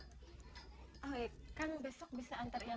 rawat tau yang tau